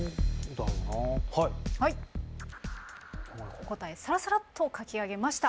お答えサラサラッと書き上げました。